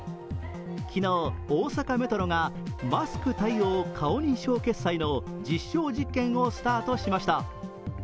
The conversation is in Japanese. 昨日、大阪メトロがマスク対応顔認証決済の実証実験をスタートしました。